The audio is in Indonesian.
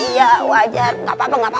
iya wajar gak apa apa